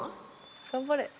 頑張れ。